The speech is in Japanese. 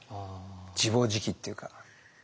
自暴自棄っていうか。